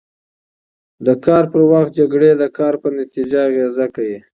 د کار پر وخت جکړې د کار په نتیجه اغېز کوي.